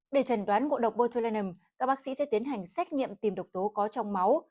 để trần đoán ngộ độc botuterlanum các bác sĩ sẽ tiến hành xét nghiệm tìm độc tố có trong máu